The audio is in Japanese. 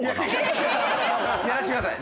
やらせてください。